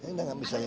ini enggak bisa ya